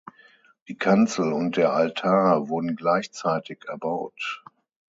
Die Kanzel und der Altar wurden gleichzeitig erbaut.